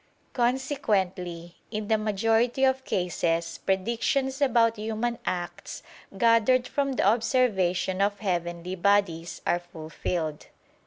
Consequently, in the majority of cases predictions about human acts, gathered from the observation of heavenly bodies, are fulfilled.